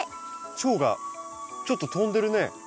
チョウがちょっと飛んでるね。